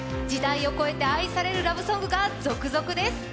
時代を超えて愛されるラブソングが続々です。